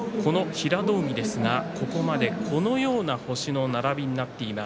平戸海ですが、ここまでこのような星の並びになっています。